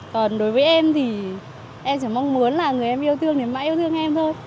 còn đối với em thì em chỉ mong muốn là người em yêu thương đến mãi yêu thương em thôi